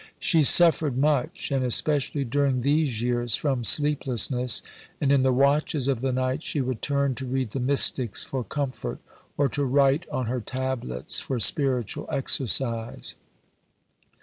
She suffered much, and especially during these years, from sleeplessness, and in the watches of the night she would turn to read the Mystics for comfort, or to write on her tablets for spiritual exercise.